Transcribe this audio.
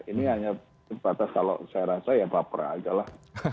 ini hanya sebatas kalau saya rasa ya baprah aja lah